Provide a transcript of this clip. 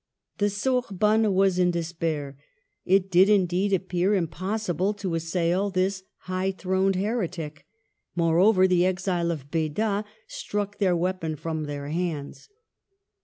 The Sorbonne w^as in despair. It did, indeed, appear impossible to assail this high throned heretic ; moreover, the exile of Beda struck their weapon from their hands.